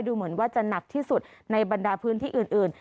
ดูเหมือนว่าจะหนักที่สุดในบรรดาพื้นที่อื่น